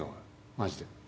マジで。